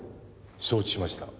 承知しました。